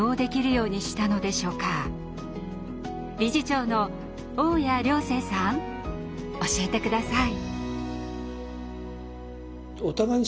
理事長の雄谷良成さん教えて下さい。